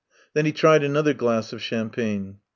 Then he tried another glass of champagne.